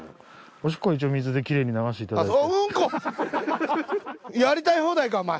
おしっこ一応水できれいに流していただいて。